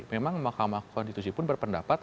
memang mahkamah konstitusi pun berpendapat